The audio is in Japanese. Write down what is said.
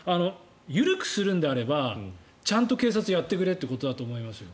緩くするのであればちゃんと警察やってくれということだと思いますよ。